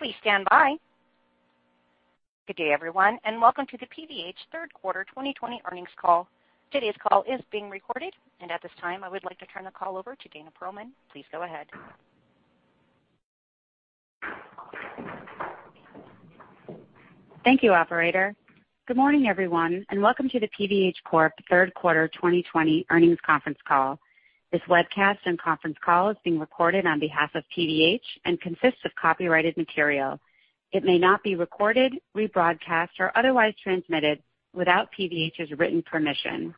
Good day, everyone. Welcome to the PVH Third Quarter 2020 Earnings Call. Today's call is being recorded. At this time, I would like to turn the call over to Dana Perlman. Please go ahead. Thank you, operator. Good morning, everyone, and welcome to the PVH Corp third quarter 2020 earnings conference call. This webcast and conference call is being recorded on behalf of PVH and consists of copyrighted material. It may not be recorded, rebroadcast, or otherwise transmitted without PVH's written permission.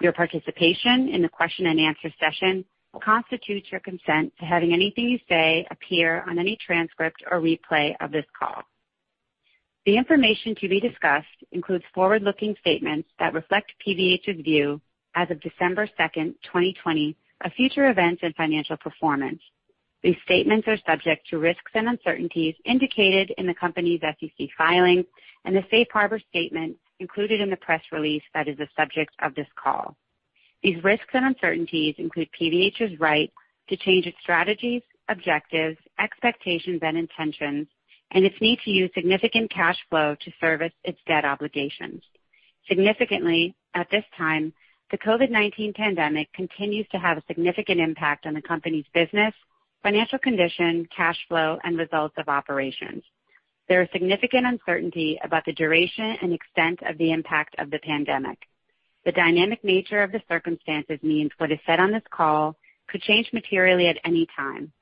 Your participation in the question and answer session constitutes your consent to having anything you say appear on any transcript or replay of this call. The information to be discussed includes forward-looking statements that reflect PVH's view as of December 2nd, 2020, of future events and financial performance. These statements are subject to risks and uncertainties indicated in the company's SEC filings and the safe harbor statement included in the press release that is the subject of this call. These risks and uncertainties include PVH's right to change its strategies, objectives, expectations, and intentions, and its need to use significant cash flow to service its debt obligations. Significantly, at this time, the COVID-19 pandemic continues to have a significant impact on the company's business, financial condition, cash flow, and results of operations. There is significant uncertainty about the duration and extent of the impact of the pandemic. The dynamic nature of the circumstances means what is said on this call could change materially at any time.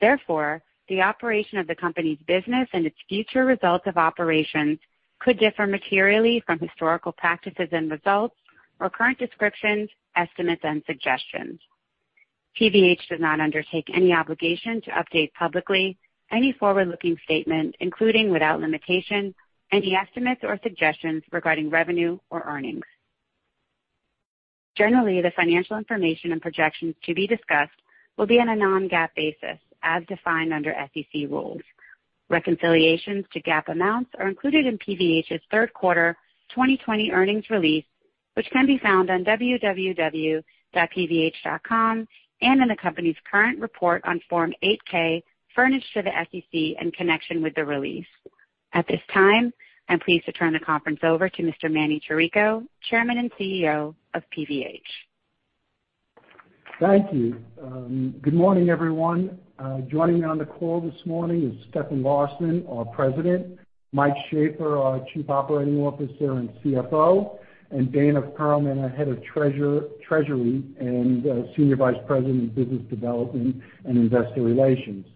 Therefore, the operation of the company's business and its future results of operations could differ materially from historical practices and results or current descriptions, estimates, and suggestions. PVH does not undertake any obligation to update publicly any forward-looking statement, including, without limitation, any estimates or suggestions regarding revenue or earnings. Generally, the financial information and projections to be discussed will be on a non-GAAP basis as defined under SEC rules. Reconciliations to GAAP amounts are included in PVH's third quarter 2020 earnings release, which can be found on www.pvh.com and in the company's current report on Form 8-K furnished to the SEC in connection with the release. At this time, I'm pleased to turn the conference over to Mr. Manny Chirico, Chairman and CEO of PVH. Thank you. Good morning, everyone. Joining me on the call this morning is Stefan Larsson, our President, Mike Shaffer, our Chief Operating Officer and CFO, and Dana Perlman, our Head of Treasury and Senior Vice President of Business Development and Investor Relations.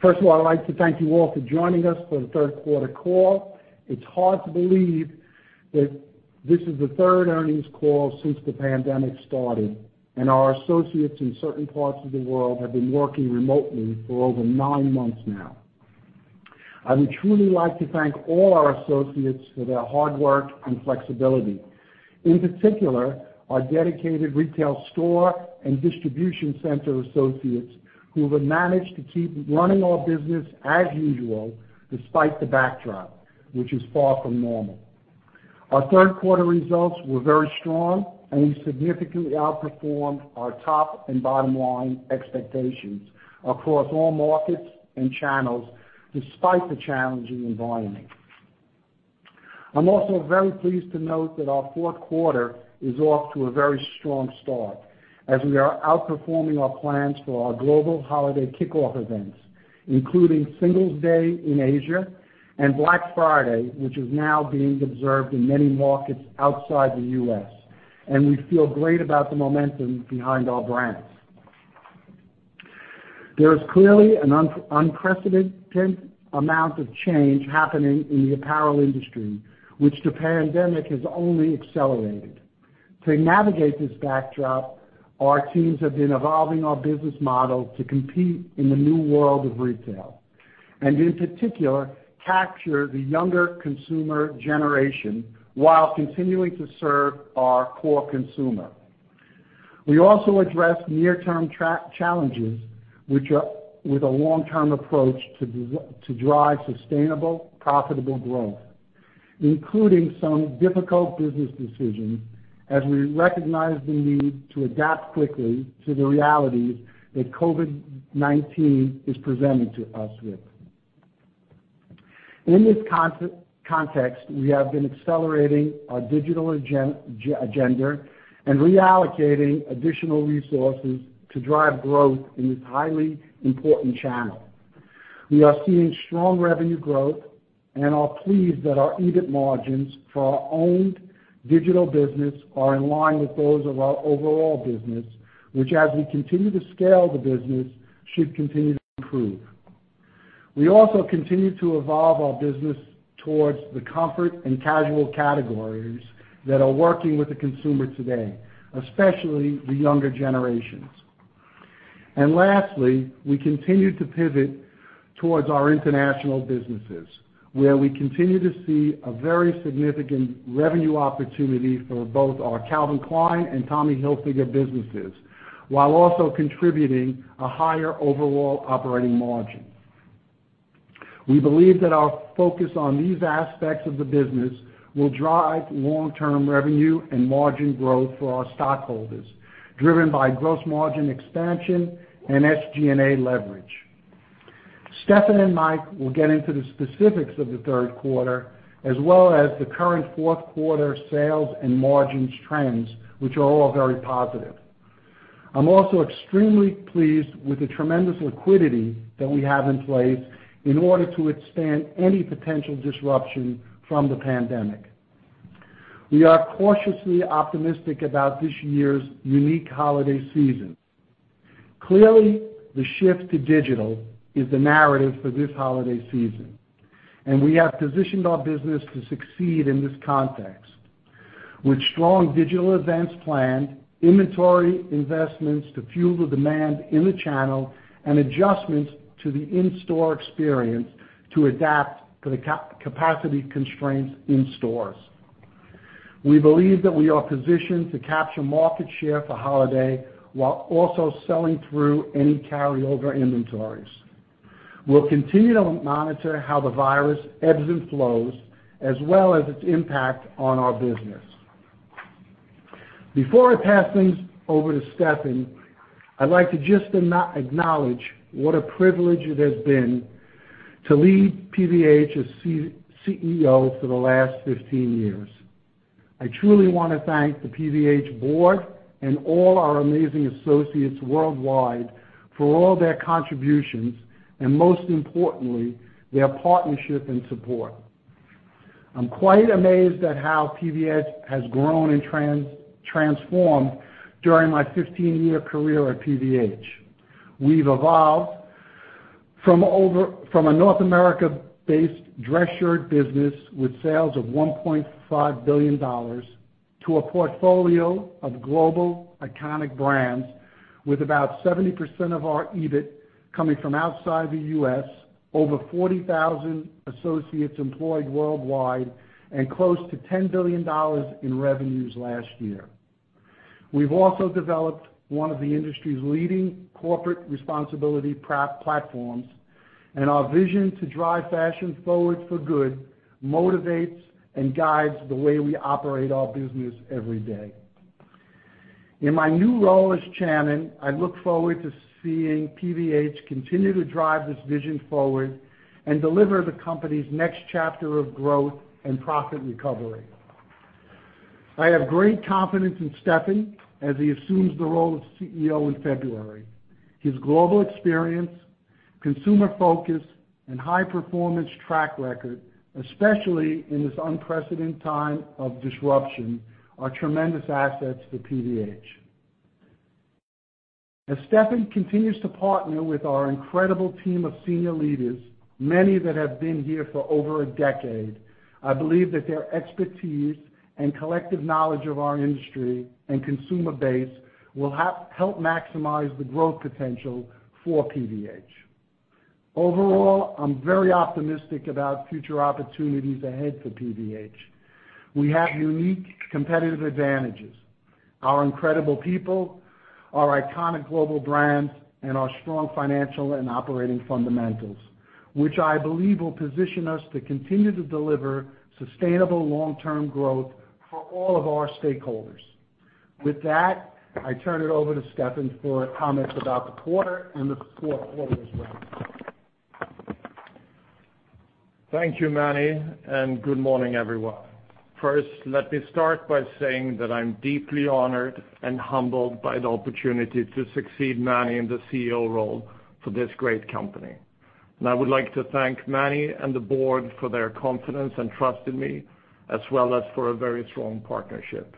First of all, I'd like to thank you all for joining us for the third quarter call. It's hard to believe that this is the third earnings call since the pandemic started, and our associates in certain parts of the world have been working remotely for over nine months now. I would truly like to thank all our associates for their hard work and flexibility, in particular, our dedicated retail store and distribution center associates who have managed to keep running our business as usual despite the backdrop, which is far from normal. Our third quarter results were very strong, and we significantly outperformed our top and bottom line expectations across all markets and channels, despite the challenging environment. I'm also very pleased to note that our fourth quarter is off to a very strong start as we are outperforming our plans for our global holiday kickoff events, including Singles' Day in Asia and Black Friday, which is now being observed in many markets outside the U.S., and we feel great about the momentum behind our brands. There is clearly an unprecedented amount of change happening in the apparel industry, which the pandemic has only accelerated. To navigate this backdrop, our teams have been evolving our business model to compete in the new world of retail, and in particular, capture the younger consumer generation while continuing to serve our core consumer. We also address near-term challenges with a long-term approach to drive sustainable, profitable growth, including some difficult business decisions as we recognize the need to adapt quickly to the realities that COVID-19 is presenting to us with. In this context, we have been accelerating our digital agenda and reallocating additional resources to drive growth in this highly important channel. We are seeing strong revenue growth and are pleased that our EBIT margins for our owned digital business are in line with those of our overall business, which as we continue to scale the business, should continue to improve. We also continue to evolve our business towards the comfort and casual categories that are working with the consumer today, especially the younger generations. Lastly, we continue to pivot towards our international businesses, where we continue to see a very significant revenue opportunity for both our Calvin Klein and Tommy Hilfiger businesses, while also contributing a higher overall operating margin. We believe that our focus on these aspects of the business will drive long-term revenue and margin growth for our stockholders, driven by gross margin expansion and SGA leverage. Stefan and Mike will get into the specifics of the third quarter, as well as the current fourth quarter sales and margins trends, which are all very positive. I'm also extremely pleased with the tremendous liquidity that we have in place in order to withstand any potential disruption from the pandemic. We are cautiously optimistic about this year's unique holiday season. Clearly, the shift to digital is the narrative for this holiday season, and we have positioned our business to succeed in this context. With strong digital events planned, inventory investments to fuel the demand in the channel, and adjustments to the in-store experience to adapt to the capacity constraints in stores. We believe that we are positioned to capture market share for holiday, while also selling through any carryover inventories. We'll continue to monitor how the virus ebbs and flows, as well as its impact on our business. Before I pass things over to Stefan, I'd like to just acknowledge what a privilege it has been to lead PVH as CEO for the last 15 years. I truly want to thank the PVH board and all our amazing associates worldwide for all their contributions, and most importantly, their partnership and support. I'm quite amazed at how PVH has grown and transformed during my 15-year career at PVH. We've evolved from a North America based dress shirt business with sales of $1.5 billion to a portfolio of global iconic brands with about 70% of our EBIT coming from outside the U.S., over 40,000 associates employed worldwide, and close to $10 billion in revenues last year. We've also developed one of the industry's leading corporate responsibility platforms. Our vision to drive fashion forward for good motivates and guides the way we operate our business every day. In my new role as Chairman, I look forward to seeing PVH continue to drive this vision forward and deliver the company's next chapter of growth and profit recovery. I have great confidence in Stefan as he assumes the role of CEO in February. His global experience, consumer focus, and high performance track record, especially in this unprecedented time of disruption, are tremendous assets for PVH. As Stefan continues to partner with our incredible team of senior leaders, many that have been here for over a decade, I believe that their expertise and collective knowledge of our industry and consumer base will help maximize the growth potential for PVH. Overall, I'm very optimistic about future opportunities ahead for PVH. We have unique competitive advantages. Our incredible people, our iconic global brands, and our strong financial and operating fundamentals, which I believe will position us to continue to deliver sustainable long-term growth for all of our stakeholders. With that, I turn it over to Stefan for comments about the quarter and the fourth quarter as well. Thank you, Manny, and good morning, everyone. First, let me start by saying that I'm deeply honored and humbled by the opportunity to succeed Manny in the CEO role for this great company. I would like to thank Manny and the board for their confidence and trust in me, as well as for a very strong partnership.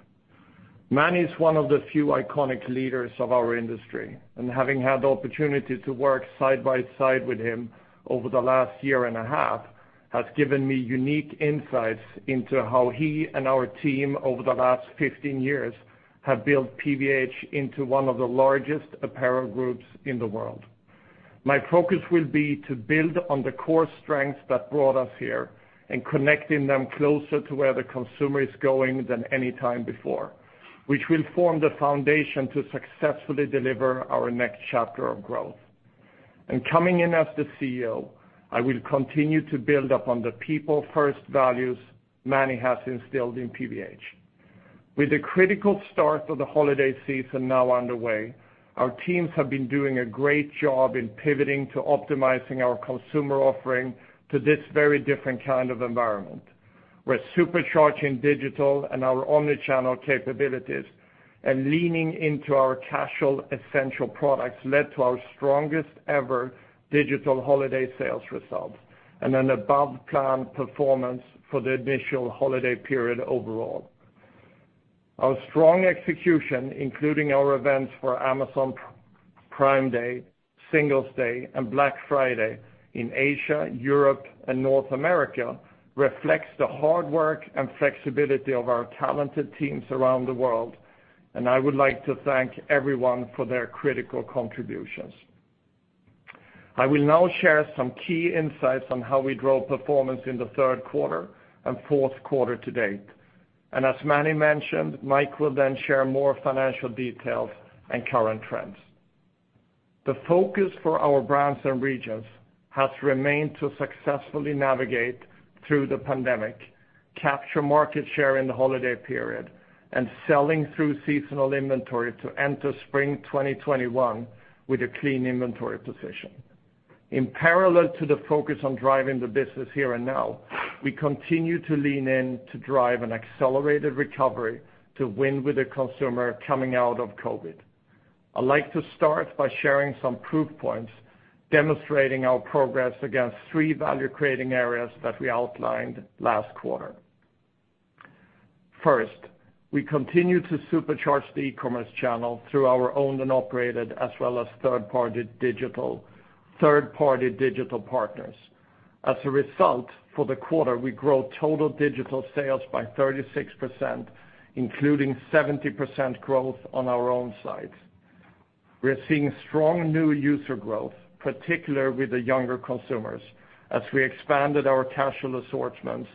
Manny is one of the few iconic leaders of our industry, and having had the opportunity to work side by side with him over the last year and a half has given me unique insights into how he and our team over the last 15 years have built PVH into one of the largest apparel groups in the world. My focus will be to build on the core strengths that brought us here and connecting them closer to where the consumer is going than any time before, which will form the foundation to successfully deliver our next chapter of growth. Coming in as the CEO, I will continue to build upon the people first values Manny has instilled in PVH. With the critical start of the holiday season now underway, our teams have been doing a great job in pivoting to optimizing our consumer offering to this very different kind of environment. We're supercharging digital and our omni-channel capabilities and leaning into our casual essential products led to our strongest ever digital holiday sales results and an above plan performance for the initial holiday period overall. Our strong execution, including our events for Amazon Prime Day, Singles' Day, and Black Friday in Asia, Europe, and North America, reflects the hard work and flexibility of our talented teams around the world, and I would like to thank everyone for their critical contributions. I will now share some key insights on how we drove performance in the third quarter and fourth quarter to date. As Manny mentioned, Mike will then share more financial details and current trends. The focus for our brands and regions has remained to successfully navigate through the pandemic, capture market share in the holiday period, and selling through seasonal inventory to enter spring 2021 with a clean inventory position. In parallel to the focus on driving the business here and now, we continue to lean in to drive an accelerated recovery to win with the consumer coming out of COVID. I'd like to start by sharing some proof points demonstrating our progress against three value-creating areas that we outlined last quarter. First, we continue to supercharge the e-commerce channel through our owned and operated, as well as third-party digital partners. As a result, for the quarter, we grew total digital sales by 36%, including 70% growth on our own sites. We are seeing strong new user growth, particularly with the younger consumers, as we expanded our casual assortments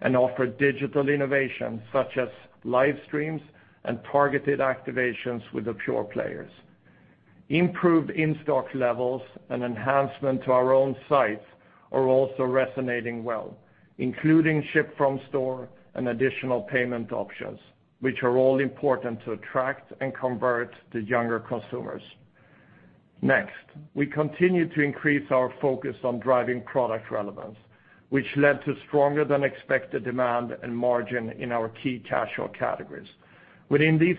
and offered digital innovations such as live streams and targeted activations with the pure players. Improved in-stock levels and enhancement to our own sites are also resonating well, including ship from store and additional payment options, which are all important to attract and convert the younger consumers. Next, we continue to increase our focus on driving product relevance, which led to stronger than expected demand and margin in our key casual categories. Within these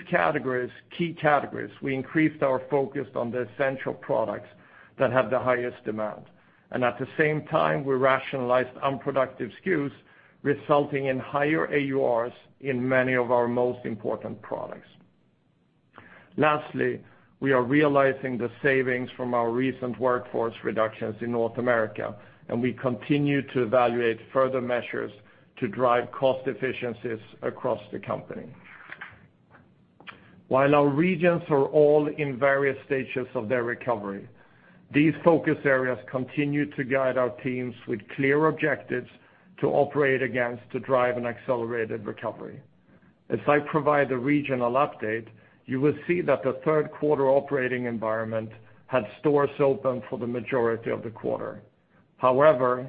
key categories, we increased our focus on the essential products that have the highest demand. At the same time, we rationalized unproductive SKUs, resulting in higher AURs in many of our most important products. Lastly, we are realizing the savings from our recent workforce reductions in North America, and we continue to evaluate further measures to drive cost efficiencies across the company. While our regions are all in various stages of their recovery, these focus areas continue to guide our teams with clear objectives to operate against to drive an accelerated recovery. As I provide the regional update, you will see that the third quarter operating environment had stores open for the majority of the quarter.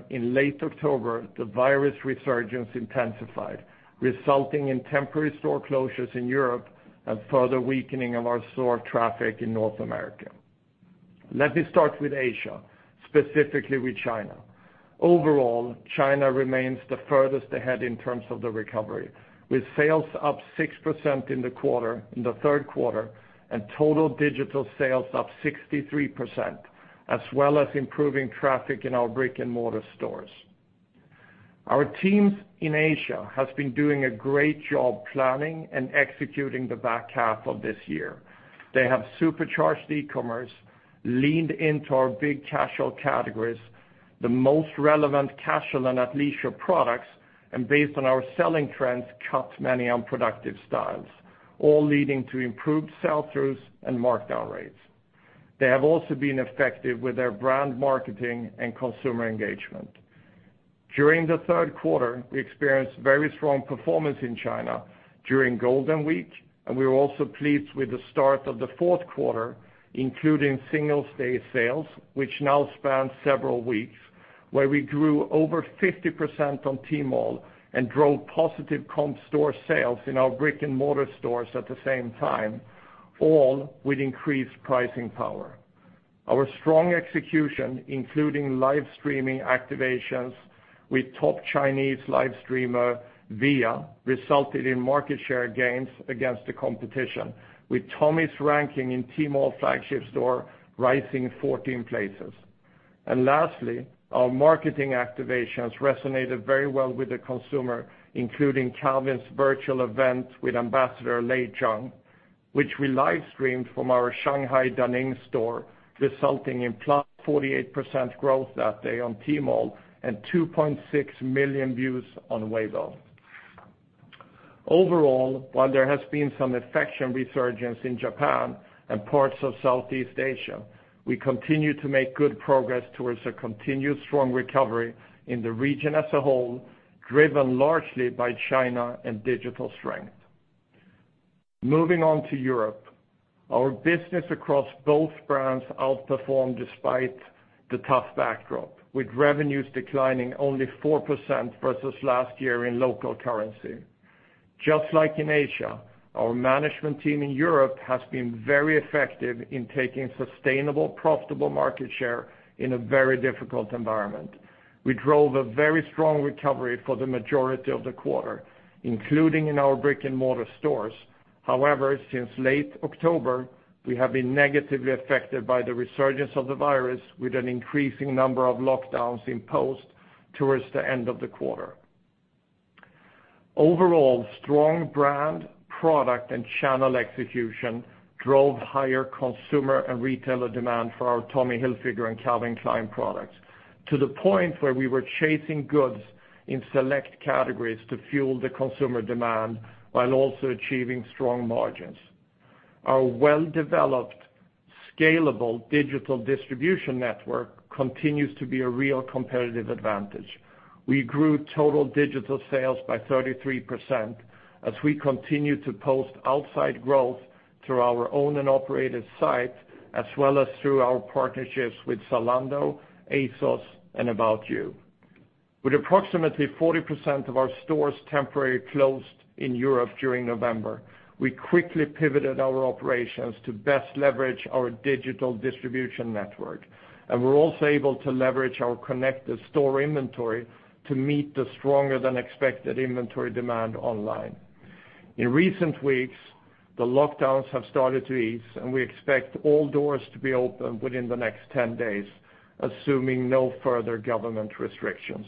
In late October, the virus resurgence intensified, resulting in temporary store closures in Europe and further weakening of our store traffic in North America. Let me start with Asia, specifically with China. Overall, China remains the furthest ahead in terms of the recovery, with sales up 6% in the third quarter and total digital sales up 63%, as well as improving traffic in our brick-and-mortar stores. Our teams in Asia have been doing a great job planning and executing the back half of this year. They have supercharged e-commerce, leaned into our big casual categories, the most relevant casual and athleisure products, and based on our selling trends, cut many unproductive styles, all leading to improved sell-throughs and markdown rates. They have also been effective with their brand marketing and consumer engagement. During the third quarter, we experienced very strong performance in China during Golden Week, and we were also pleased with the start of the fourth quarter, including Singles' Day sales, which now spans several weeks, where we grew over 50% on Tmall and drove positive comp store sales in our brick-and-mortar stores at the same time, all with increased pricing power. Lastly, our strong execution, including live streaming activations with top Chinese live streamer Viya, resulted in market share gains against the competition, with Tommy's ranking in Tmall flagship store rising 14 places. Lastly, our marketing activations resonated very well with the consumer, including Calvin's virtual event with ambassador Lay Zhang, which we live-streamed from our Shanghai Daning store, resulting in +48% growth that day on Tmall and 2.6 million views on Weibo. Overall, while there has been some infection resurgence in Japan and parts of Southeast Asia, we continue to make good progress towards a continued strong recovery in the region as a whole, driven largely by China and digital strength. Moving on to Europe, our business across both brands outperformed despite the tough backdrop, with revenues declining only 4% versus last year in local currency. Just like in Asia, our management team in Europe has been very effective in taking sustainable, profitable market share in a very difficult environment. We drove a very strong recovery for the majority of the quarter, including in our brick-and-mortar stores. However, since late October, we have been negatively affected by the resurgence of the virus with an increasing number of lockdowns imposed towards the end of the quarter. Overall, strong brand, product, and channel execution drove higher consumer and retailer demand for our Tommy Hilfiger and Calvin Klein products to the point where we were chasing goods in select categories to fuel the consumer demand while also achieving strong margins. Our well-developed, scalable digital distribution network continues to be a real competitive advantage. We grew total digital sales by 33% as we continue to post outsized growth through our owned and operated sites as well as through our partnerships with Zalando, ASOS, and About You. With approximately 40% of our stores temporarily closed in Europe during November, we quickly pivoted our operations to best leverage our digital distribution network, and were also able to leverage our connected store inventory to meet the stronger than expected inventory demand online. In recent weeks, the lockdowns have started to ease, and we expect all doors to be open within the next 10 days, assuming no further government restrictions.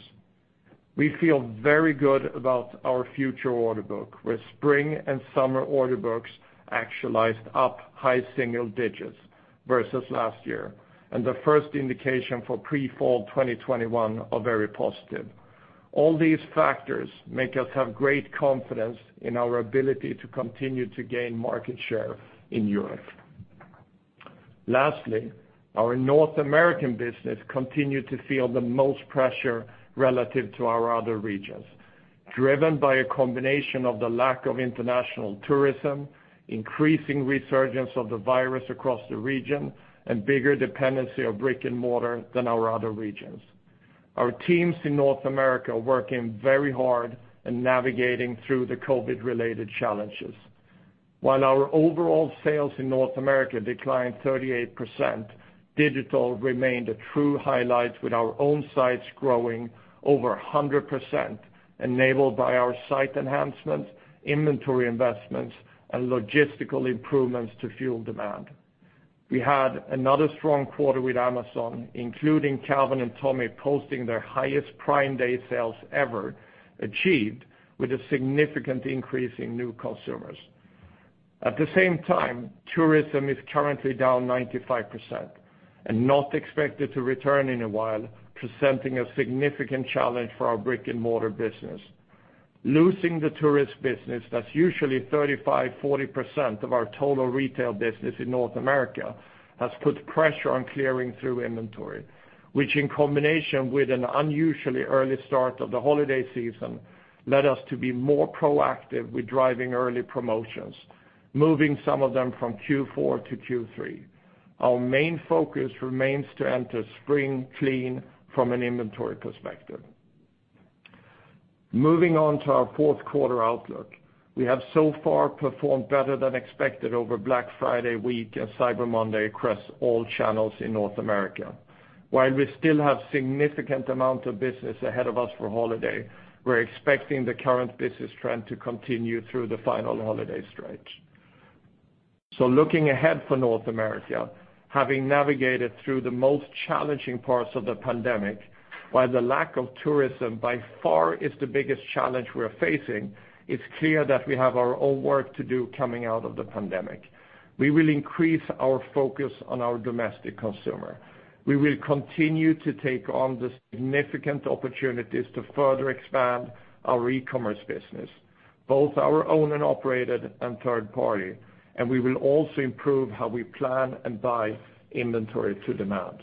We feel very good about our future order book, with spring and summer order books actualized up high single digits versus last year, and the first indication for pre-fall 2021 are very positive. All these factors make us have great confidence in our ability to continue to gain market share in Europe. Lastly, our North American business continued to feel the most pressure relative to our other regions, driven by a combination of the lack of international tourism, increasing resurgence of the virus across the region, and bigger dependency of brick and mortar than our other regions. Our teams in North America are working very hard in navigating through the COVID-related challenges. While our overall sales in North America declined 38%, digital remained a true highlight with our own sites growing over 100%, enabled by our site enhancements, inventory investments, and logistical improvements to fuel demand. We had another strong quarter with Amazon, including Calvin and Tommy posting their highest Prime Day sales ever achieved with a significant increase in new consumers. At the same time, tourism is currently down 95% and not expected to return in a while, presenting a significant challenge for our brick and mortar business. Losing the tourist business that's usually 35%-40% of our total retail business in North America has put pressure on clearing through inventory, which in combination with an unusually early start of the holiday season led us to be more proactive with driving early promotions, moving some of them from Q4 to Q3. Our main focus remains to enter spring clean from an inventory perspective. Moving on to our fourth quarter outlook. We have so far performed better than expected over Black Friday week and Cyber Monday across all channels in North America. While we still have significant amount of business ahead of us for holiday, we're expecting the current business trend to continue through the final holiday stretch. Looking ahead for North America, having navigated through the most challenging parts of the pandemic, while the lack of tourism by far is the biggest challenge we are facing, it's clear that we have our own work to do coming out of the pandemic. We will increase our focus on our domestic consumer. We will continue to take on the significant opportunities to further expand our e-commerce business, both our owned and operated and third party. We will also improve how we plan and buy inventory to demand.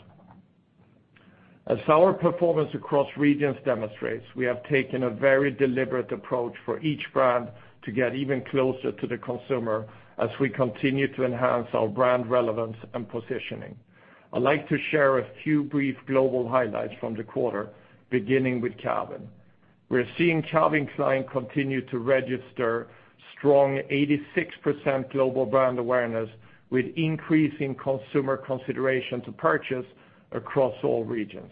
As our performance across regions demonstrates, we have taken a very deliberate approach for each brand to get even closer to the consumer as we continue to enhance our brand relevance and positioning. I'd like to share a few brief global highlights from the quarter, beginning with Calvin. We are seeing Calvin Klein continue to register strong 86% global brand awareness with increasing consumer consideration to purchase across all regions.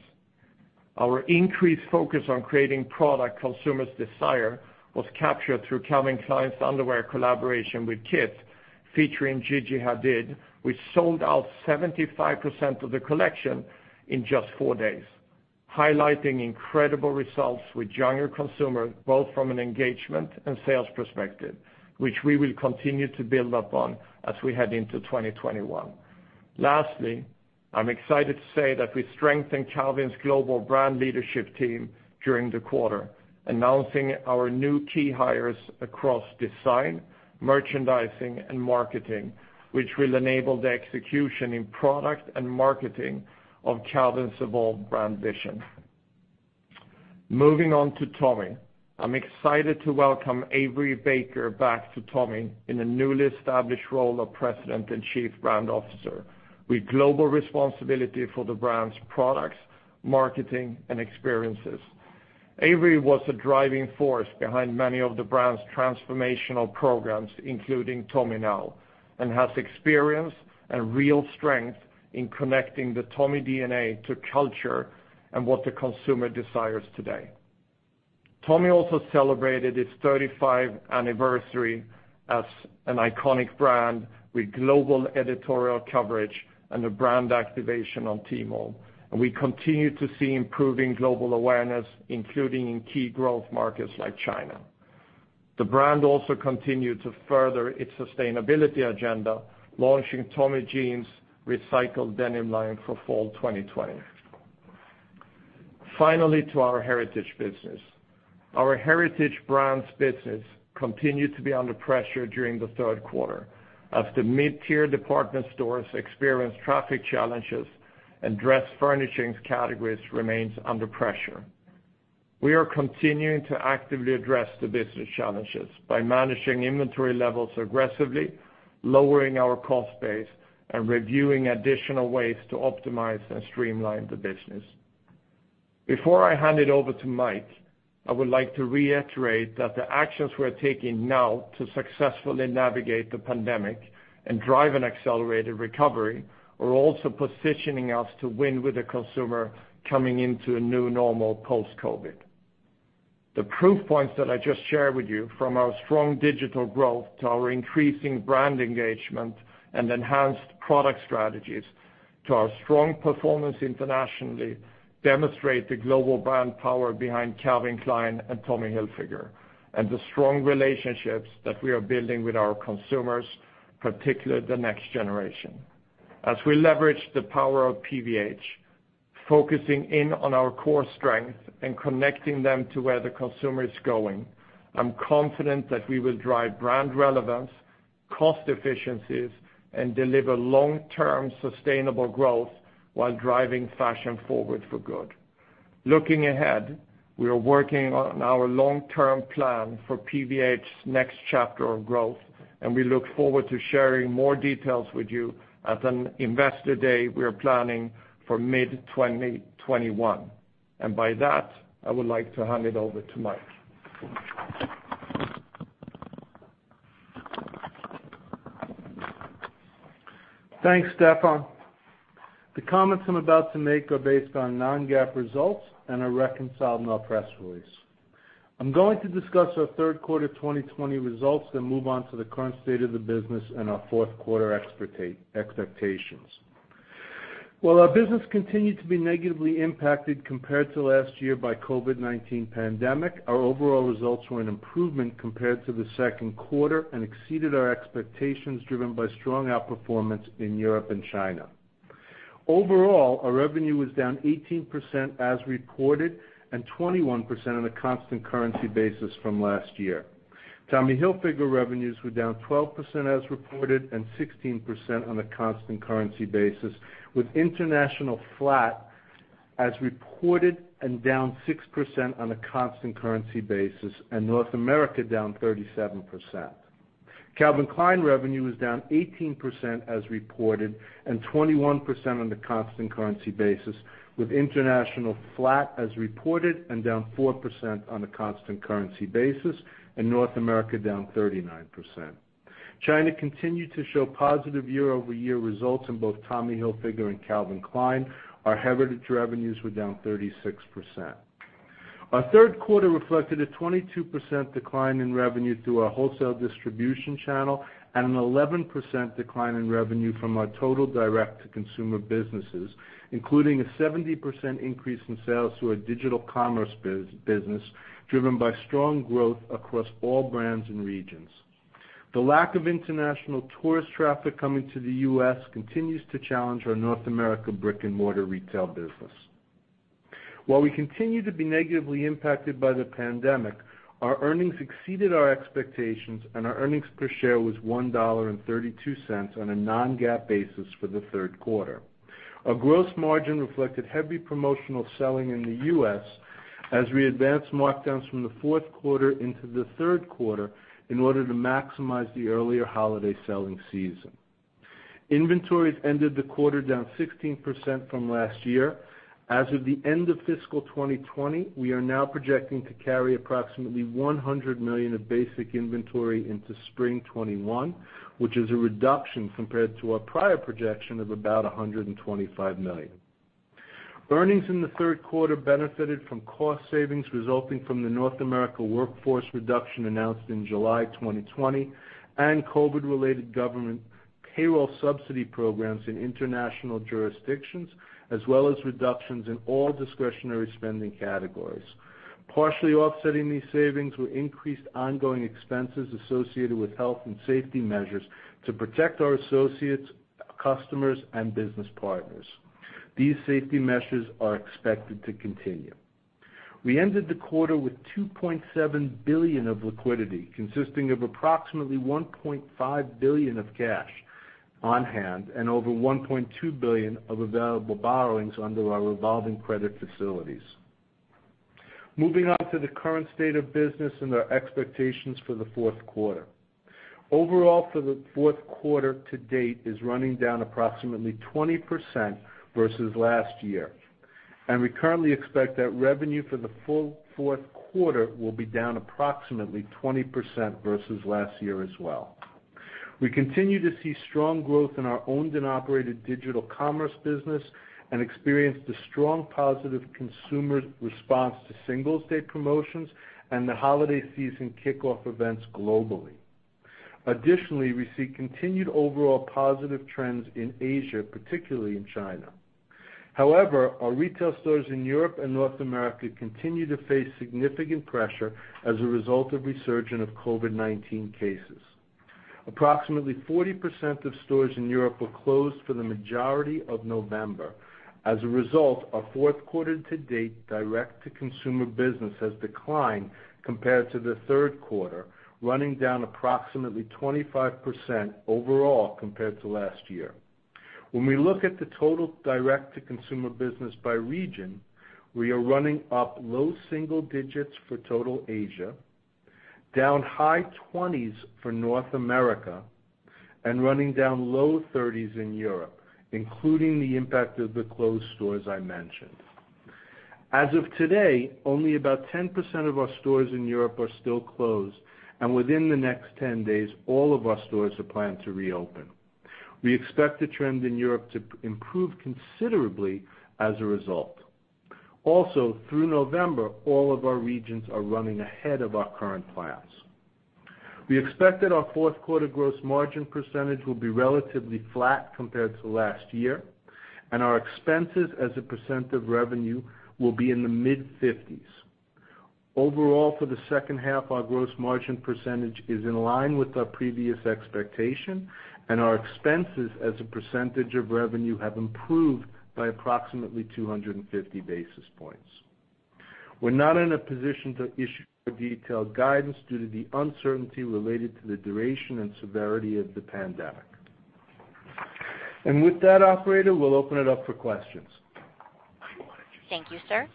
Our increased focus on creating product consumers desire was captured through Calvin Klein's underwear collaboration with Kith, featuring Gigi Hadid, which sold out 75% of the collection in just four days, highlighting incredible results with younger consumers, both from an engagement and sales perspective, which we will continue to build upon as we head into 2021. Lastly, I'm excited to say that we strengthened Calvin's global brand leadership team during the quarter, announcing our new key hires across design, merchandising, and marketing, which will enable the execution in product and marketing of Calvin's evolved brand vision. Moving on to Tommy. I'm excited to welcome Avery Baker back to Tommy in a newly established role of President and Chief Brand Officer with global responsibility for the brand's products, marketing, and experiences. Avery was a driving force behind many of the brand's transformational programs, including Tommy Now, and has experience and real strength in connecting the Tommy DNA to culture and what the consumer desires today. Tommy also celebrated its 35th anniversary as an iconic brand with global editorial coverage and a brand activation on Tmall. We continue to see improving global awareness, including in key growth markets like China. The brand also continued to further its sustainability agenda, launching Tommy Jeans recycled denim line for fall 2020. Finally, our heritage brands business continued to be under pressure during the third quarter as the mid-tier department stores experienced traffic challenges and dress furnishings categories remains under pressure. Before I hand it over to Mike, I would like to reiterate that the actions we're taking now to successfully navigate the pandemic and drive an accelerated recovery are also positioning us to win with the consumer coming into a new normal post-COVID. The proof points that I just shared with you from our strong digital growth to our increasing brand engagement and enhanced product strategies to our strong performance internationally demonstrate the global brand power behind Calvin Klein and Tommy Hilfiger, and the strong relationships that we are building with our consumers, particularly the next generation. As we leverage the power of PVH, focusing in on our core strength and connecting them to where the consumer is going, I'm confident that we will drive brand relevance, cost efficiencies, and deliver long-term sustainable growth while driving fashion forward for good. Looking ahead, we are working on our long-term plan for PVH's next chapter of growth, and we look forward to sharing more details with you at an investor day we are planning for mid-2021. By that, I would like to hand it over to Mike. Thanks, Stefan. The comments I'm about to make are based on non-GAAP results and are reconciled in our press release. I'm going to discuss our third quarter 2020 results, then move on to the current state of the business and our fourth quarter expectations. While our business continued to be negatively impacted compared to last year by COVID-19 pandemic, our overall results were an improvement compared to the second quarter and exceeded our expectations, driven by strong outperformance in Europe and China. Overall, our revenue was down 18% as reported and 21% on a constant currency basis from last year. Tommy Hilfiger revenues were down 12% as reported and 16% on a constant currency basis, with international flat as reported and down 6% on a constant currency basis, and North America down 37%. Calvin Klein revenue was down 18% as reported and 21% on the constant currency basis, with international flat as reported and down 4% on a constant currency basis, and North America down 39%. China continued to show positive year-over-year results in both Tommy Hilfiger and Calvin Klein. Our heritage revenues were down 36%. Our third quarter reflected a 22% decline in revenue through our wholesale distribution channel and an 11% decline in revenue from our total direct-to-consumer businesses, including a 70% increase in sales through our digital commerce business, driven by strong growth across all brands and regions. The lack of international tourist traffic coming to the U.S. continues to challenge our North America brick-and-mortar retail business. While we continue to be negatively impacted by the pandemic, our earnings exceeded our expectations, and our earnings per share was $1.32 on a non-GAAP basis for the third quarter. Our gross margin reflected heavy promotional selling in the U.S. as we advanced markdowns from the fourth quarter into the third quarter in order to maximize the earlier holiday selling season. Inventories ended the quarter down 16% from last year. As of the end of fiscal 2020, we are now projecting to carry approximately $100 million of basic inventory into spring 2021, which is a reduction compared to our prior projection of about $125 million. Earnings in the third quarter benefited from cost savings resulting from the North America workforce reduction announced in July 2020 and COVID-related government payroll subsidy programs in international jurisdictions, as well as reductions in all discretionary spending categories. Partially offsetting these savings were increased ongoing expenses associated with health and safety measures to protect our associates, customers, and business partners. These safety measures are expected to continue. We ended the quarter with $2.7 billion of liquidity, consisting of approximately $1.5 billion of cash on hand and over $1.2 billion of available borrowings under our revolving credit facilities. Moving on to the current state of business and our expectations for the fourth quarter. Overall for the fourth quarter to date is running down approximately 20% versus last year. We currently expect that revenue for the full fourth quarter will be down approximately 20% versus last year as well. We continue to see strong growth in our owned and operated digital commerce business and experienced a strong positive consumer response to Singles' Day promotions and the holiday season kickoff events globally. Additionally, we see continued overall positive trends in Asia, particularly in China. However, our retail stores in Europe and North America continue to face significant pressure as a result of resurgent of COVID-19 cases. Approximately 40% of stores in Europe were closed for the majority of November. As a result, our fourth quarter to date direct-to-consumer business has declined compared to the third quarter, running down approximately 25% overall compared to last year. When we look at the total direct-to-consumer business by region, we are running up low single digits for total Asia, down high 20s for North America, and running down low 30s in Europe, including the impact of the closed stores I mentioned. As of today, only about 10% of our stores in Europe are still closed, and within the next 10 days, all of our stores are planned to reopen. We expect the trend in Europe to improve considerably as a result. Through November, all of our regions are running ahead of our current plans. We expect that our fourth quarter gross margin percentage will be relatively flat compared to last year, and our expenses as a percent of revenue will be in the mid-50s. Overall, for the second half, our gross margin percentage is in line with our previous expectation, and our expenses as a percentage of revenue have improved by approximately 250 basis points. We're not in a position to issue a detailed guidance due to the uncertainty related to the duration and severity of the pandemic. With that operator, we'll open it up for questions. Thank you, sir.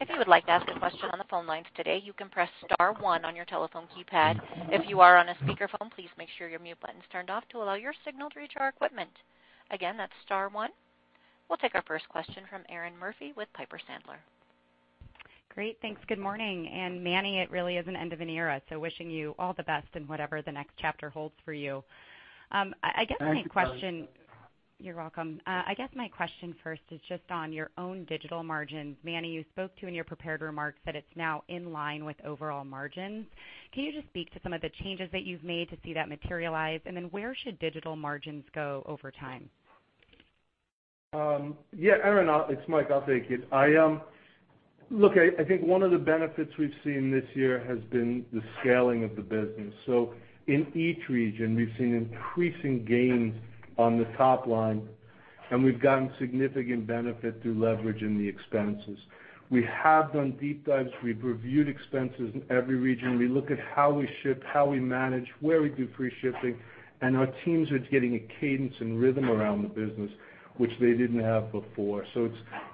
If you would like to ask a question on the phone lines today, you can press star one on your telephone keypad. If you are on a speakerphone, please make sure your mute button is turned off to allow your signal to reach our equipment. Again, that's star one. We'll take our first question from Erinn Murphy with Piper Sandler. Great. Thanks. Good morning. Manny, it really is an end of an era, so wishing you all the best in whatever the next chapter holds for you. Thank you, Erinn. You're welcome. I guess my question first is just on your own digital margins. Manny, you spoke to in your prepared remarks that it's now in line with overall margins. Can you just speak to some of the changes that you've made to see that materialize, and then where should digital margins go over time? Yeah, Erinn, it's Mike. I'll take it. Look, I think one of the benefits we've seen this year has been the scaling of the business. In each region, we've seen increasing gains on the top line, and we've gotten significant benefit through leverage in the expenses. We have done deep dives. We've reviewed expenses in every region. We look at how we ship, how we manage, where we do free shipping, and our teams are getting a cadence and rhythm around the business, which they didn't have before.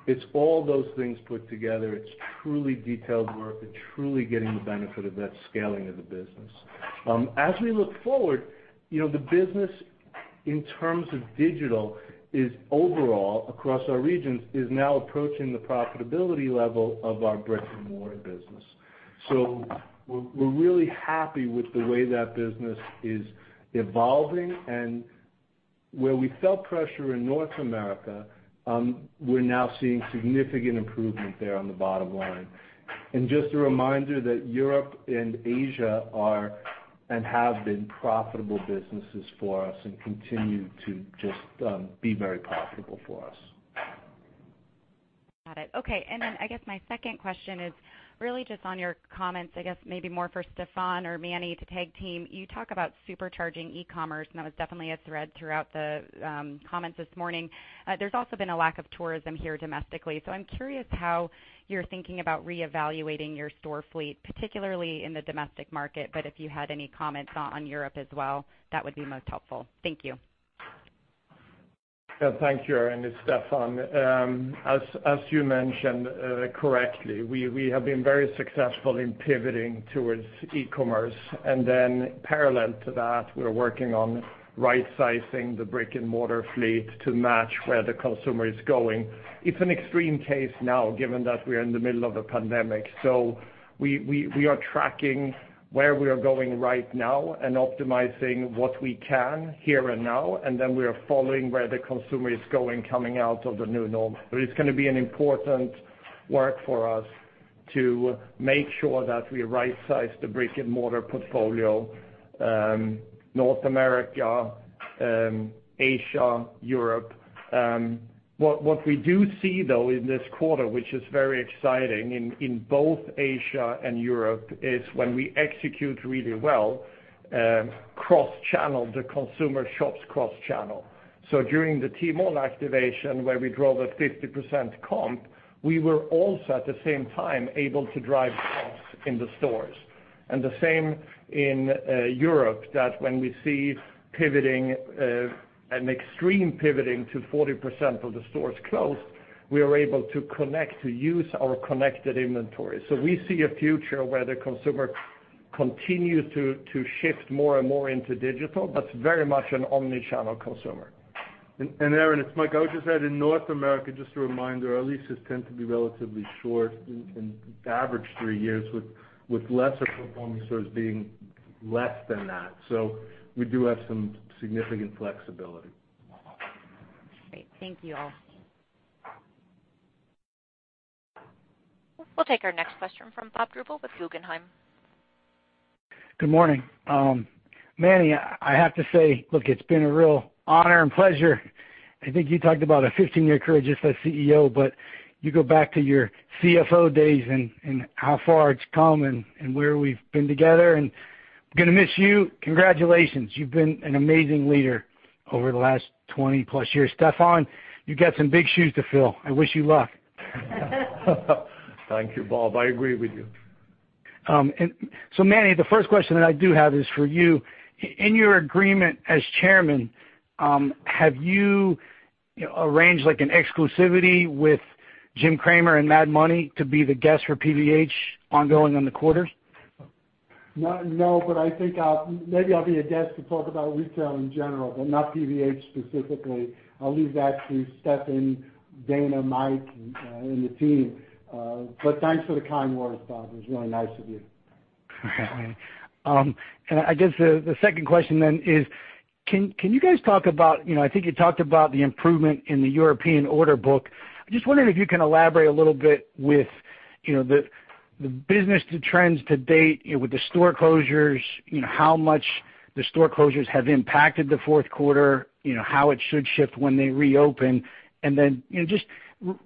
It's all those things put together. It's truly detailed work and truly getting the benefit of that scaling of the business. As we look forward, the business in terms of digital is overall across our regions is now approaching the profitability level of our brick-and-mortar business. We're really happy with the way that business is evolving, and where we felt pressure in North America, we're now seeing significant improvement there on the bottom line. Just a reminder that Europe and Asia are and have been profitable businesses for us and continue to just be very profitable for us. Got it. Okay. I guess my second question is really just on your comments, I guess maybe more for Stefan or Manny to tag team. You talk about supercharging e-commerce, and that was definitely a thread throughout the comments this morning. There's also been a lack of tourism here domestically. I'm curious how you're thinking about reevaluating your store fleet, particularly in the domestic market, but if you had any comments on Europe as well, that would be most helpful. Thank you. Thank you, Erinn. It's Stefan. As you mentioned correctly, we have been very successful in pivoting towards e-commerce, parallel to that, we're working on right-sizing the brick-and-mortar fleet to match where the consumer is going. It's an extreme case now, given that we're in the middle of a pandemic. We are tracking where we are going right now and optimizing what we can here and now, we are following where the consumer is going, coming out of the new norm. It's going to be an important work for us to make sure that we right-size the brick-and-mortar portfolio, North America, Asia, Europe. What we do see, though, in this quarter, which is very exciting in both Asia and Europe, is when we execute really well cross-channel, the consumer shops cross-channel. During the Tmall activation where we drove a 50% comp, we were also at the same time able to drive comps in the stores. The same in Europe, that when we see pivoting, an extreme pivoting to 40% of the stores closed, we are able to connect to use our connected inventory. We see a future where the consumer continues to shift more and more into digital, but very much an omni-channel consumer. Erinn, it's Mike. I would just add in North America, just a reminder, our leases tend to be relatively short and average three years with lesser performing stores being less than that. We do have some significant flexibility. Great. Thank you all. We'll take our next question from Bob Drbul with Guggenheim. Good morning. Manny, I have to say, look, it's been a real honor and pleasure. I think you talked about a 15-year career just as CEO, but you go back to your CFO days and how far it's come and where we've been together. I'm going to miss you. Congratulations. You've been an amazing leader over the last 20-plus years. Stefan, you got some big shoes to fill. I wish you luck. Thank you, Bob. I agree with you. Manny, the first question that I do have is for you. In your agreement as chairman, have you arranged an exclusivity with Jim Cramer and Mad Money to be the guest for PVH ongoing on the quarters? No, I think maybe I'll be a guest to talk about retail in general, but not PVH specifically. I'll leave that to Stefan, Dana, Mike, and the team. Thanks for the kind words, Bob Drbul. It was really nice of you. I guess the second question then is, can you guys talk about, I think you talked about the improvement in the European order book. I'm just wondering if you can elaborate a little bit with the business trends to date with the store closures, how much the store closures have impacted the fourth quarter, how it should shift when they reopen. Just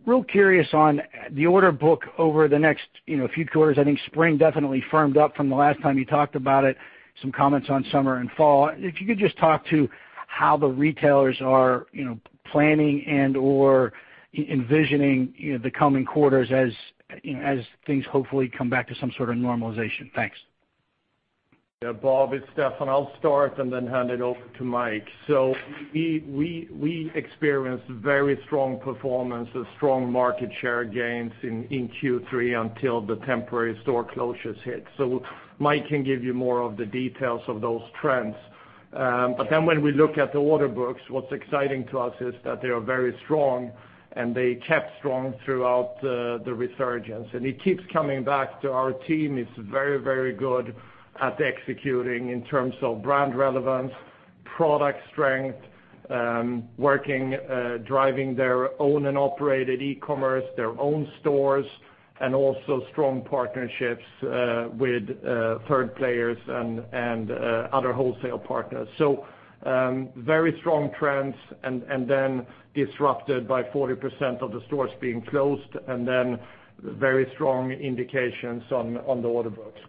real curious on the order book over the next few quarters. I think spring definitely firmed up from the last time you talked about it, some comments on summer and fall. If you could just talk to how the retailers are planning and/or envisioning the coming quarters as things hopefully come back to some sort of normalization. Thanks. Bob, it's Stefan. I'll start and then hand it over to Mike. We experienced very strong performance and strong market share gains in Q3 until the temporary store closures hit. Mike can give you more of the details of those trends. When we look at the order books, what's exciting to us is that they are very strong, and they kept strong throughout the resurgence. It keeps coming back to our team is very, very good at executing in terms of brand relevance, product strength, working, driving their own and operated e-commerce, their own stores, and also strong partnerships with third players and other wholesale partners. Very strong trends and then disrupted by 40% of the stores being closed, and then very strong indications on the order books.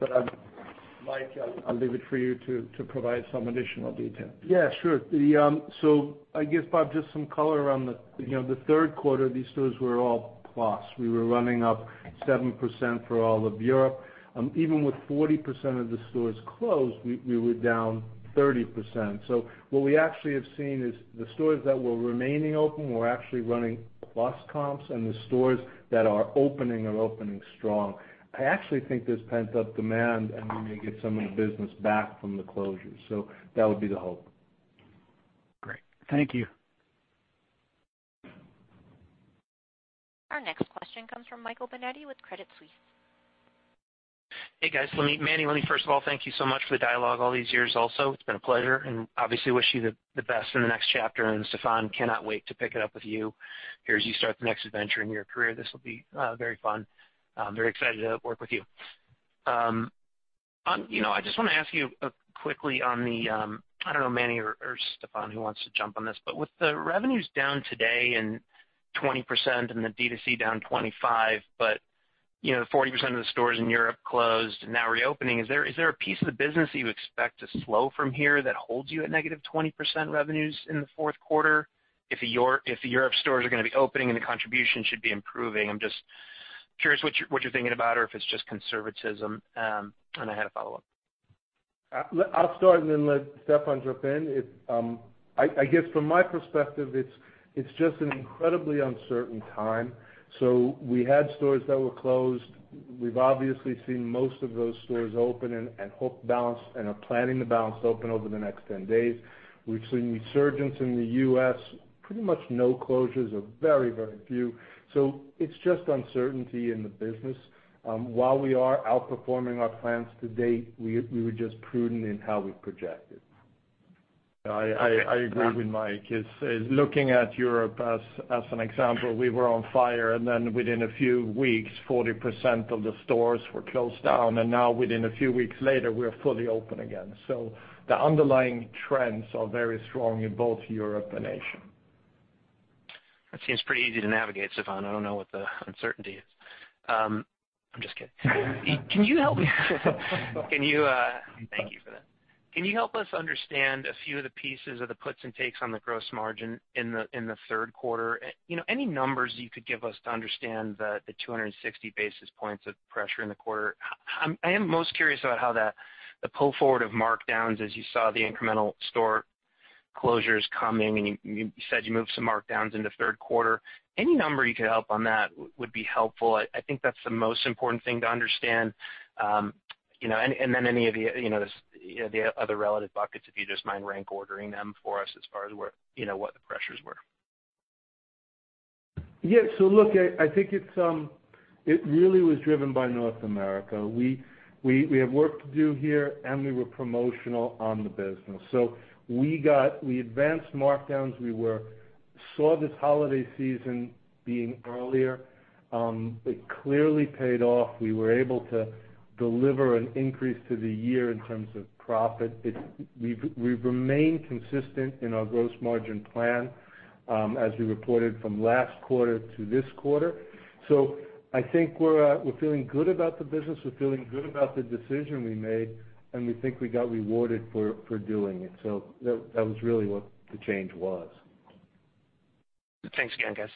Mike, I'll leave it for you to provide some additional detail. Yeah, sure. I guess, Bob, just some color around the third quarter, these stores were all plus. We were running up 7% for all of Europe. Even with 40% of the stores closed, we were down 30%. What we actually have seen is the stores that were remaining open were actually running plus comps, and the stores that are opening are opening strong. I actually think there's pent-up demand, and we may get some of the business back from the closures. That would be the hope. Great. Thank you. Our next question comes from Michael Binetti with Credit Suisse. Hey, guys. Manny, let me first of all thank you so much for the dialogue all these years also. It's been a pleasure. Obviously wish you the best in the next chapter. Stefan, cannot wait to pick it up with you here as you start the next adventure in your career. This will be very fun. I am very excited to work with you. I just want to ask you quickly on the, I don't know, Manny or Stefan, who wants to jump on this, but with the revenues down today in 20% and the D2C down 25%, but 40% of the stores in Europe closed and now reopening, is there a piece of the business that you expect to slow from here that holds you at negative 20% revenues in the fourth quarter? If the Europe stores are going to be opening and the contribution should be improving, I'm just curious what you're thinking about or if it's just conservatism? I had a follow-up. I'll start and then let Stefan jump in. I guess from my perspective, it's just an incredibly uncertain time. We had stores that were closed. We've obviously seen most of those stores open and hope balance and are planning to balance open over the next 10 days. We've seen resurgence in the U.S., pretty much no closures or very few. It's just uncertainty in the business. While we are outperforming our plans to date, we were just prudent in how we projected. I agree with Mike. Looking at Europe as an example, we were on fire, and then within a few weeks, 40% of the stores were closed down, and now within a few weeks later, we're fully open again. The underlying trends are very strong in both Europe and Asia. That seems pretty easy to navigate, Stefan. I don't know what the uncertainty is. I'm just kidding. Can you help me? Thank you for that. Can you help us understand a few of the pieces of the puts and takes on the gross margin in the third quarter? Any numbers you could give us to understand the 260 basis points of pressure in the quarter. I am most curious about how the pull forward of markdowns as you saw the incremental store closures coming, and you said you moved some markdowns into third quarter. Any number you could help on that would be helpful. I think that's the most important thing to understand. Any of the other relative buckets, if you just mind rank ordering them for us as far as what the pressures were. Yeah. Look, I think it really was driven by North America. We have work to do here, and we were promotional on the business. We advanced markdowns. We saw this holiday season being earlier. It clearly paid off. We were able to deliver an increase to the year in terms of profit. We've remained consistent in our gross margin plan, as we reported from last quarter to this quarter. I think we're feeling good about the business, we're feeling good about the decision we made, and we think we got rewarded for doing it. That was really what the change was. Thanks again, guys.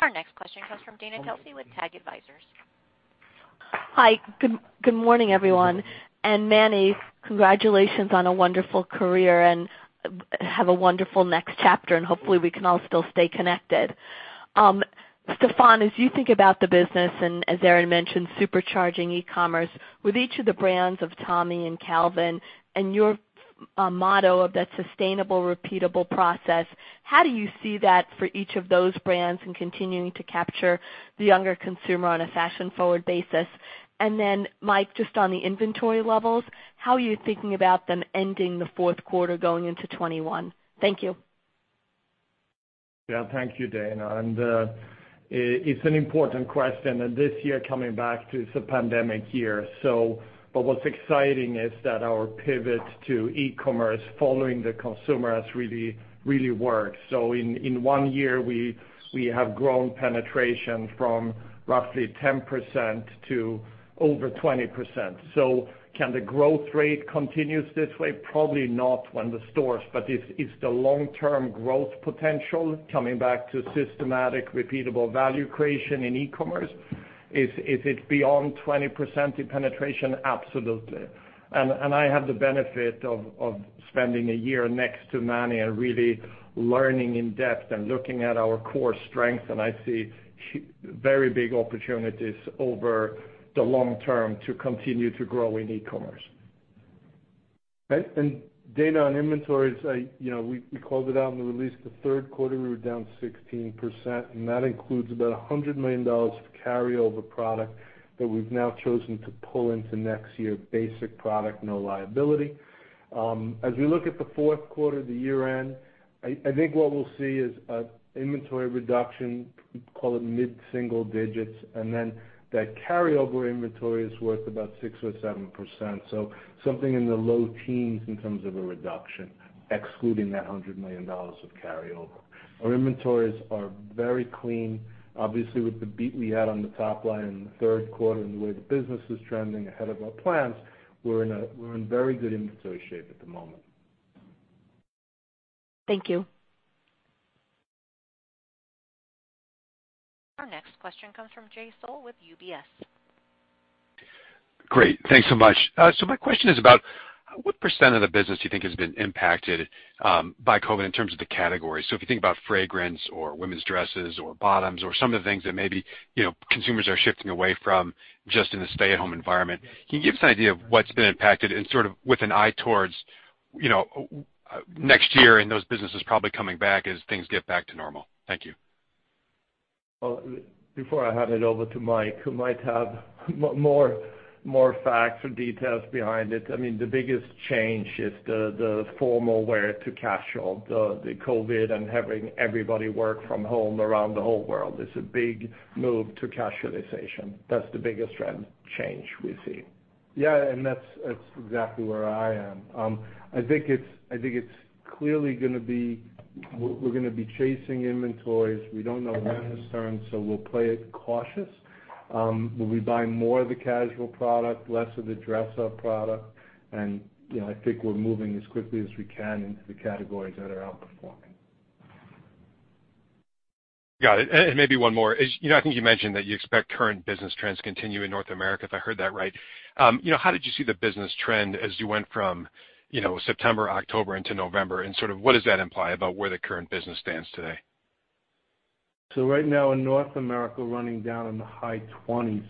Our next question comes from Dana Telsey with Telsey Advisory Group. Hi. Good morning, everyone, and Manny, congratulations on a wonderful career, and have a wonderful next chapter, and hopefully we can all still stay connected. Stefan, as you think about the business, and as Erinn mentioned, supercharging e-commerce, with each of the brands of Tommy and Calvin and your motto of that sustainable, repeatable process, how do you see that for each of those brands in continuing to capture the younger consumer on a fashion-forward basis? Then Mike, just on the inventory levels, how are you thinking about them ending the fourth quarter going into 2021? Thank you. Yeah, thank you, Dana. It's an important question, and this year coming back, it's a pandemic year. What's exciting is that our pivot to e-commerce following the consumer has really worked. In one year, we have grown penetration from roughly 10% to over 20%. Can the growth rate continues this way? Probably not when the stores, but is the long-term growth potential coming back to systematic repeatable value creation in e-commerce? Is it beyond 20% in penetration? Absolutely. I have the benefit of spending a year next to Manny and really learning in depth and looking at our core strength, and I see very big opportunities over the long term to continue to grow in e-commerce. Dana, on inventories, we called it out in the release, the third quarter, we were down 16%. That includes about $100 million of carryover product that we've now chosen to pull into next year, basic product, no liability. We look at the fourth quarter, the year-end, I think what we'll see is an inventory reduction, call it mid-single digits. Then that carryover inventory is worth about 6% or 7%. Something in the low teens in terms of a reduction, excluding that $100 million of carryover. Our inventories are very clean. Obviously, with the beat we had on the top line in the third quarter, the way the business is trending ahead of our plans, we're in very good inventory shape at the moment. Thank you. Our next question comes from Jay Sole with UBS. Great. Thanks so much. My question is about what percent of the business do you think has been impacted by COVID in terms of the category? If you think about fragrance or women's dresses or bottoms or some of the things that maybe consumers are shifting away from just in the stay-at-home environment. Can you give us an idea of what's been impacted and sort of with an eye towards next year and those businesses probably coming back as things get back to normal? Thank you. Well, before I hand it over to Mike, who might have more facts or details behind it, the biggest change is the formal wear to casual. The COVID and having everybody work from home around the whole world is a big move to casualization. That's the biggest trend change we see. That's exactly where I am. I think it's clearly we're gonna be chasing inventories. We don't know when this turns, we'll play it cautious. We'll be buying more of the casual product, less of the dress-up product, I think we're moving as quickly as we can into the categories that are outperforming. Got it. Maybe one more. I think you mentioned that you expect current business trends to continue in North America, if I heard that right. How did you see the business trend as you went from September, October into November, and what does that imply about where the current business stands today? Right now in North America, running down in the high 20s,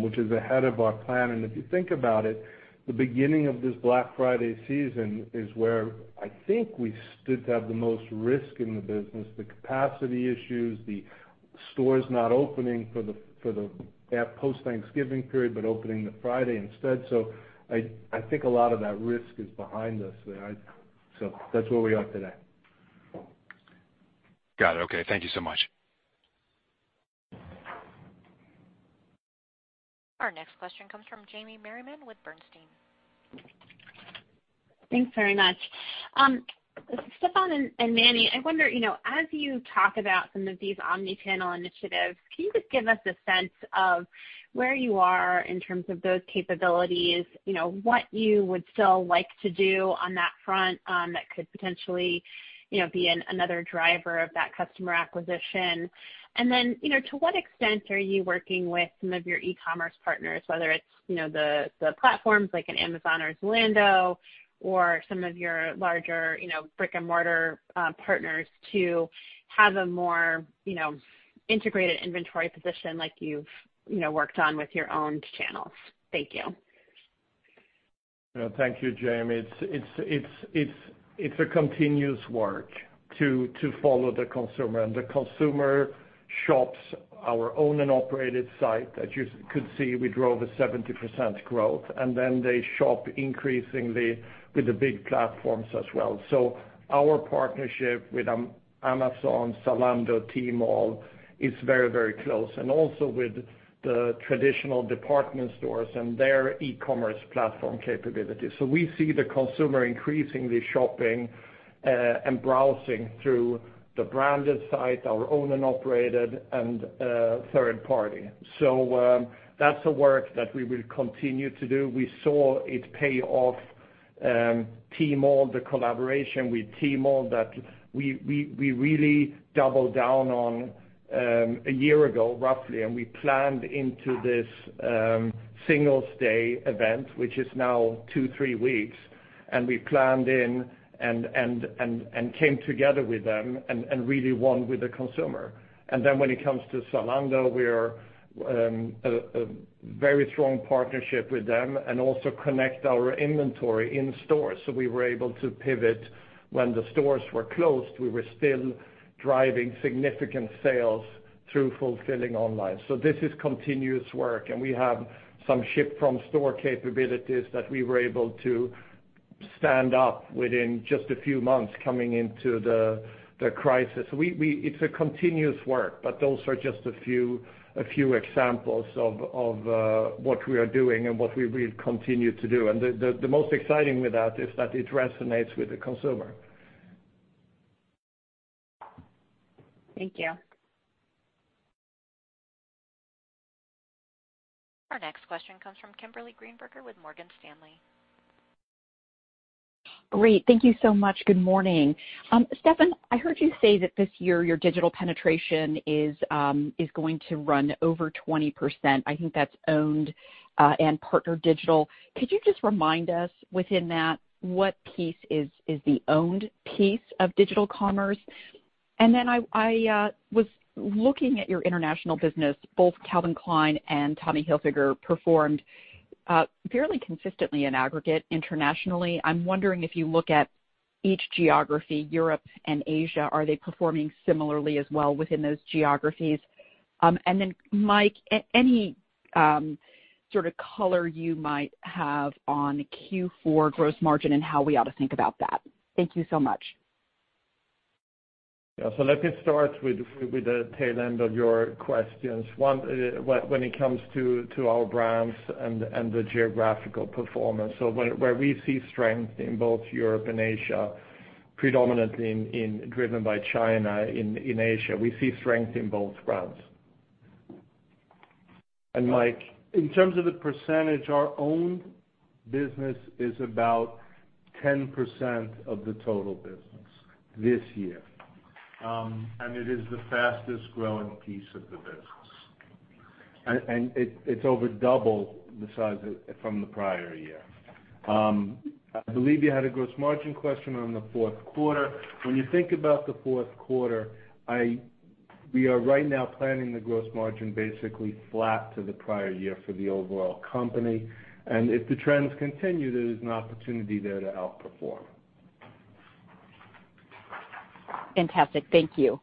which is ahead of our plan. If you think about it, the beginning of this Black Friday season is where I think we stood to have the most risk in the business, the capacity issues, the stores not opening for that post-Thanksgiving period, but opening the Friday instead. I think a lot of that risk is behind us. That's where we are today. Got it. Okay. Thank you so much. Our next question comes from Jamie Merriman with Bernstein. Thanks very much. Stefan and Manny, I wonder, as you talk about some of these omni-channel initiatives, can you just give us a sense of where you are in terms of those capabilities? What you would still like to do on that front, that could potentially be another driver of that customer acquisition. Then, to what extent are you working with some of your e-commerce partners, whether it's the platforms like an Amazon or a Zalando or some of your larger brick-and-mortar partners to have a more integrated inventory position like you've worked on with your own channels? Thank you. Thank you, Jamie. It's a continuous work to follow the consumer, and the ConsumerShops, our owned and operated site, as you could see, we drove a 70% growth, and then they shop increasingly with the big platforms as well. Our partnership with Amazon, Zalando, Tmall is very close, and also with the traditional department stores and their e-commerce platform capabilities. We see the consumer increasingly shopping, and browsing through the branded site, our owned and operated, and third party. That's the work that we will continue to do. We saw it pay off, Tmall, the collaboration with Tmall that we really doubled down on, a year ago, roughly, and we planned into this Singles' Day event, which is now two, three weeks. We planned in and came together with them and really won with the consumer. When it comes to Zalando, we are a very strong partnership with them and also connect our inventory in stores. We were able to pivot when the stores were closed. We were still driving significant sales through fulfilling online. This is continuous work, and we have some ship-from-store capabilities that we were able to stand up within just a few months coming into the crisis. It's a continuous work, but those are just a few examples of what we are doing and what we will continue to do. The most exciting with that is that it resonates with the consumer. Thank you. Our next question comes from Kimberly Greenberger with Morgan Stanley. Great. Thank you so much. Good morning. Stefan, I heard you say that this year, your digital penetration is going to run over 20%. I think that's owned, and partner digital. Could you just remind us within that what piece is the owned piece of digital commerce? I was looking at your international business, both Calvin Klein and Tommy Hilfiger performed fairly consistently in aggregate internationally. I'm wondering if you look at each geography, Europe and Asia, are they performing similarly as well within those geographies? Mike, any sort of color you might have on Q4 gross margin and how we ought to think about that? Thank you so much. Let me start with the tail end of your questions. One, when it comes to our brands and the geographical performance, where we see strength in both Europe and Asia, predominantly driven by China in Asia, we see strength in both brands. Mike? In terms of the percentage, our owned business is about 10% of the total business this year. It is the fastest growing piece of the business. It's over double the size from the prior year. I believe you had a gross margin question on the fourth quarter. When you think about the fourth quarter, we are right now planning the gross margin basically flat to the prior year for the overall company. If the trends continue, there is an opportunity there to outperform. Fantastic. Thank you.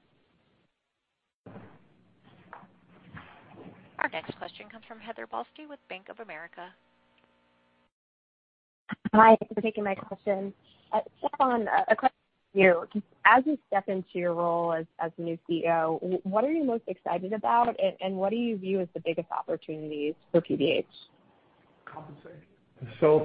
Our next question comes from Heather Balsky with Bank of America. Hi, thanks for taking my question. Stefan, a question for you. As you step into your role as the new CEO, what are you most excited about, and what do you view as the biggest opportunities for PVH?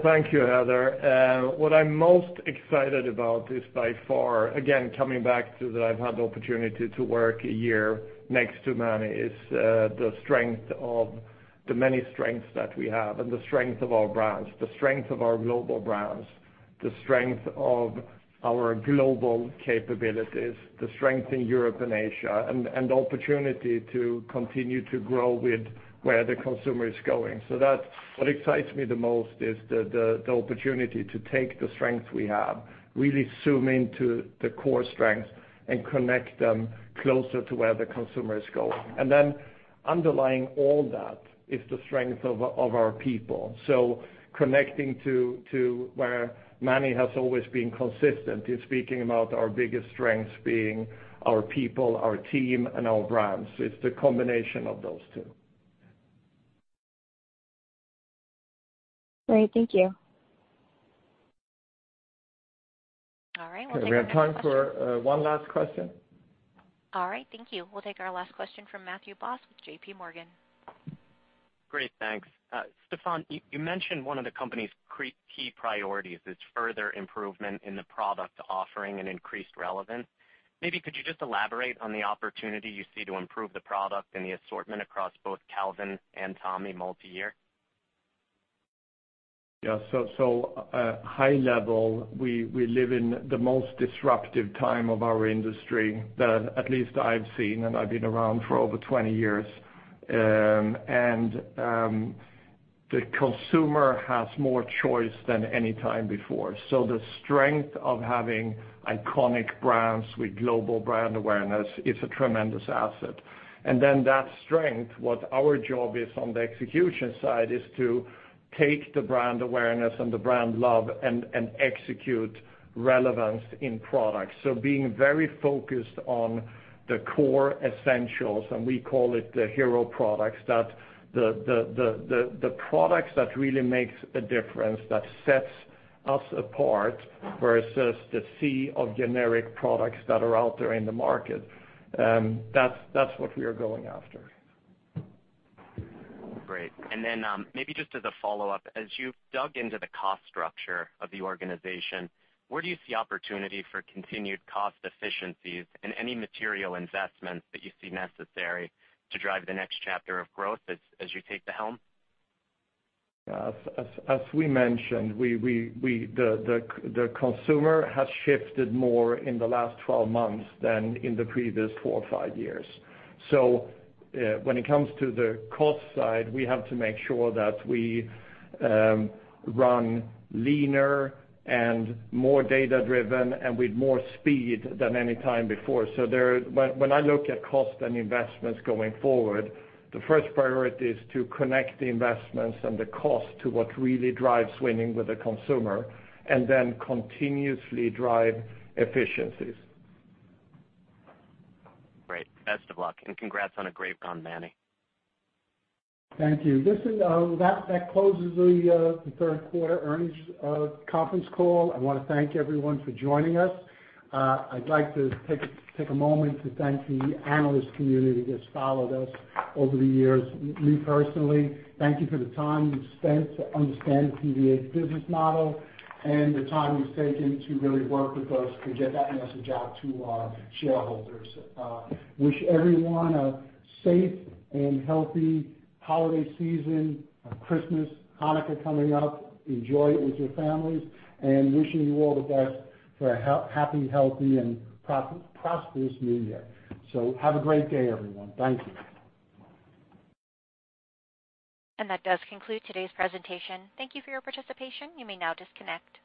Thank you, Heather. What I'm most excited about is by far, again, coming back to that I've had the opportunity to work a year next to Manny, is the many strengths that we have and the strength of our brands, the strength of our global brands, the strength of our global capabilities, the strength in Europe and Asia, and the opportunity to continue to grow with where the consumer is going. That's what excites me the most is the opportunity to take the strengths we have, really zoom into the core strengths and connect them closer to where the consumer is going. Underlying all that is the strength of our people. Connecting to where Manny has always been consistent in speaking about our biggest strengths being our people, our team, and our brands. It's the combination of those two. Great. Thank you. All right. We'll take our next question. Okay. We have time for one last question. All right. Thank you. We'll take our last question from Matthew Boss with JPMorgan. Great, thanks. Stefan, you mentioned one of the company's key priorities is further improvement in the product offering and increased relevance. Could you just elaborate on the opportunity you see to improve the product and the assortment across both Calvin and Tommy multi-year? Yeah. At high level, we live in the most disruptive time of our industry that at least I've seen, and I've been around for over 20 years. The consumer has more choice than any time before. The strength of having iconic brands with global brand awareness is a tremendous asset. That strength, what our job is on the execution side is to take the brand awareness and the brand love and execute relevance in products. Being very focused on the core essentials, and we call it the hero products, the products that really makes a difference, that sets us apart versus the sea of generic products that are out there in the market. That's what we are going after. Great. Maybe just as a follow-up, as you've dug into the cost structure of the organization, where do you see opportunity for continued cost efficiencies and any material investments that you see necessary to drive the next chapter of growth as you take the helm? As we mentioned, the consumer has shifted more in the last 12 months than in the previous four or five years. When it comes to the cost side, we have to make sure that we run leaner and more data-driven and with more speed than any time before. When I look at cost and investments going forward, the first priority is to connect the investments and the cost to what really drives winning with the consumer, and then continuously drive efficiencies. Great. Best of luck, and congrats on a great run, Manny. Thank you. That closes the third quarter earnings conference call. I want to thank everyone for joining us. I'd like to take a moment to thank the analyst community that's followed us over the years. Me personally, thank you for the time you've spent to understand PVH business model and the time you've taken to really work with us to get that message out to our shareholders. Wish everyone a safe and healthy holiday season, Christmas, Hanukkah coming up, enjoy it with your families, and wishing you all the best for a happy, healthy, and prosperous new year. Have a great day, everyone. Thank you. That does conclude today's presentation. Thank you for your participation. You may now disconnect.